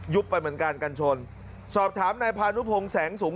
ไปเหมือนกันกันชนสอบถามนายพานุพงศ์แสงสูง